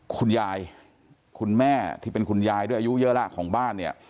คุณยายคุณแม่ที่เป็นคุณยายด้วยอายุเยอะแล้วของบ้านเนี่ย